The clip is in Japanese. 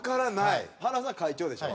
塙さん会長でしょ？